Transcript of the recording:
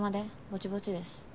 ぼちぼちです。